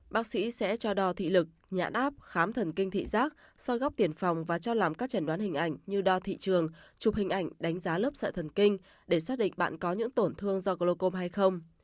bác sĩ sẽ cho đo thị lực nhãn áp khám thần kinh thị giác soi góc tiền phòng và cho làm các chẩn đoán hình ảnh như đo thị trường chụp hình ảnh đánh giá lớp sợi thần kinh để xác định bạn có những tổn thương do glocom hay không